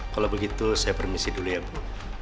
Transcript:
kalau begitu saya permisi dulu ya bu